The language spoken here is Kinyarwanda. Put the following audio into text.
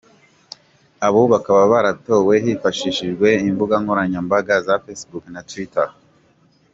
Abo bakaba baratowe hifashishijwe imbuga nkoranyambaga za Facebook na Twitter.